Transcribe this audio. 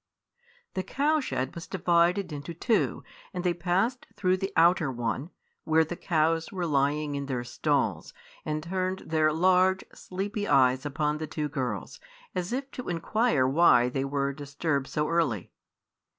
The cow shed was divided into two, and they passed through the outer one, where the cows were lying in their stalls, and turned their large, sleepy eyes upon the two girls, as if to inquire why they were disturbed so early.